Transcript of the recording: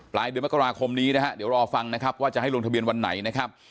เดือนมกราคมนี้นะฮะเดี๋ยวรอฟังนะครับว่าจะให้ลงทะเบียนวันไหนนะครับ